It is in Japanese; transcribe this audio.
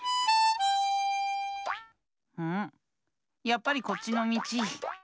やっぱりこっちのみち！